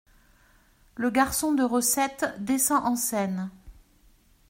Le garçon de recette descend en scène.